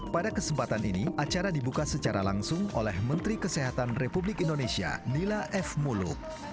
pada kesempatan ini acara dibuka secara langsung oleh menteri kesehatan republik indonesia nila f muluk